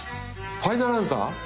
ファイナルアンサー。